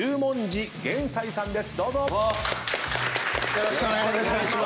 よろしくお願いします。